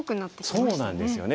そうなんですよね。